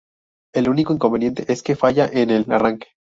El único inconveniente es que falla en el arranque.